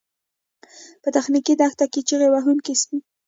په تخنیکي دښته کې چیغې وهونکي سپي